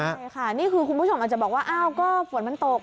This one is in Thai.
ใช่ค่ะนี่คือคุณผู้ชมอาจจะบอกว่าอ้าวก็ฝนมันตก